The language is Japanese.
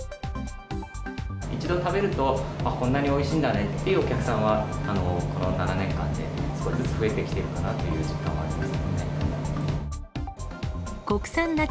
一度食べると、こんなにおいしんだねっていうお客さんは、この７年間で少しずつ増えてきてるかなという実感はありますね。